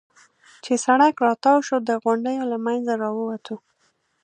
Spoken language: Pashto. چې سړک را تاو شو، د غونډیو له منځه را ووتو.